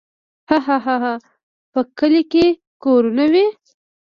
هاهاها په کلي کې کورونه وي.